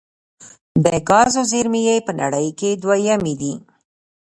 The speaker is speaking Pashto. د ګازو زیرمې یې په نړۍ کې دویمې دي.